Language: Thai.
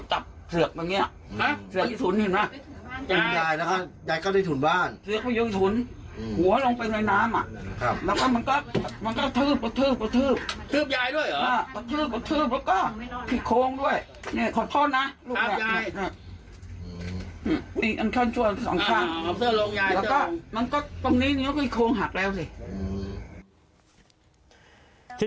ตรงนี้พลิกโค้งหักแล้วสิ